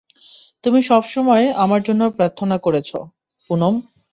তুমি সবসময় আমার জন্য প্রার্থনা করেছো, পুনাম।